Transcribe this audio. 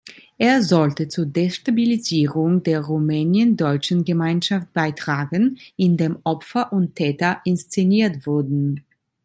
Er sollte zur Destabilisierung der rumäniendeutschen Gemeinschaft beitragen, indem „Opfer“ und „Täter“ inszeniert wurden.